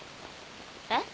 えっ？